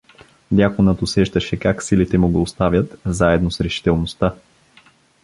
Дяконът усещаше как силите му го оставят заедно с решителността.